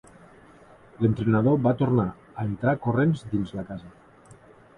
L'entrenador va tornar a entrar corrents dins la casa.